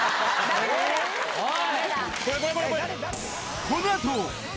おい！